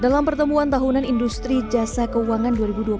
dalam pertemuan tahunan industri jasa keuangan dua ribu dua puluh